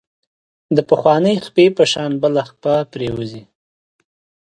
د پخوانۍ خپې په شان بله خپه پرېوځي.